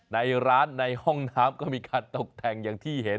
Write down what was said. ในร้านในห้องน้ำก็มีการตกแต่งอย่างที่เห็น